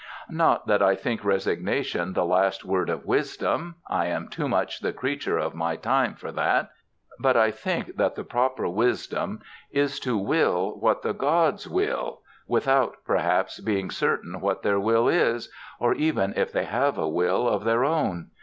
Not that I think resignation the last word of wisdom. I am too much the creature of my time for that. But I think that the proper wisdom is to will what the gods will without, perhaps, being certain what their will is or even if they have a will of their own.